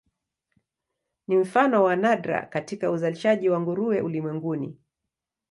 Ni mfano wa nadra katika uzalishaji wa nguruwe ulimwenguni.